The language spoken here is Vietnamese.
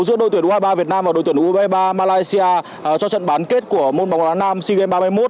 giữa đội tuyển u hai mươi ba việt nam và đội tuyển u hai mươi ba malaysia cho trận bán kết của môn bóng đá nam sea games ba mươi một